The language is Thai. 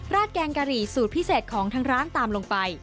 แกงกะหรี่สูตรพิเศษของทางร้านตามลงไป